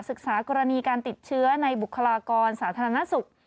ศึกษากรณีการติดเชื้อในบุคลากรสาธารณสุข